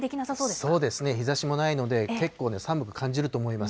そうですね、日ざしもないので、結構寒く感じると思います。